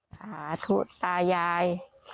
สาธุตายาย